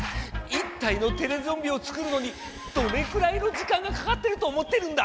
１体のテレゾンビを作るのにどれくらいの時間がかかってると思ってるんだ！